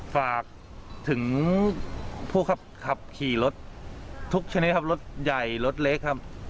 ฝากถึงผู้ขับขี่รถทุกชนิดครับรถใหญ่รถเล็กครับ